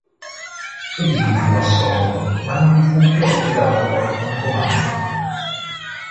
Egli fu assolto ma non gli fu più affidato alcun comando.